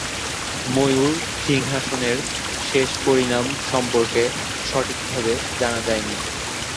ময়ূর সিংহাসনের শেষ পরিণাম সম্পর্কে সঠিকভাবে জানা যায়নি।